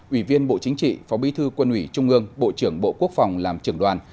ủy viên bộ chính trị phó bí thư quân ủy trung ương bộ trưởng bộ quốc phòng làm trưởng đoàn